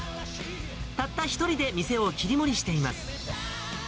たった一人で店を切り盛りしています。